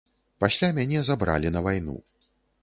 Пасля мяне забралі на вайну.